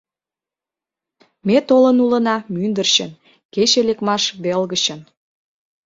Ме толын улына мӱндырчын, кече лекмаш вел гычын.